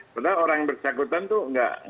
padahal orang yang bersyakutan tuh